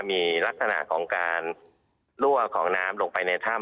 มีลักษณะของการลั่วของน้ำลงไปในถ้ำ